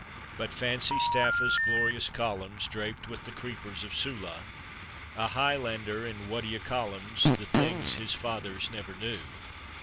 But fancy Staffa's glorious columns Draped with the creepers of Sulu! A Highlander in what d'ye call ems, The things his fathers never knew.